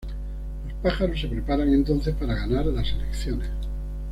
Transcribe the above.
Los pájaros se preparan entonces para ganar las elecciones.